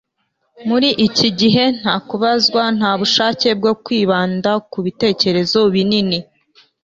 muri iki gihe nta kubazwa nta bushake bwo kwibanda ku bitekerezo binini